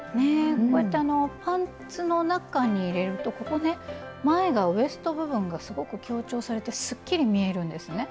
こうやってパンツの中に入れるとここね前がウエスト部分がすごく強調されてすっきり見えるんですね。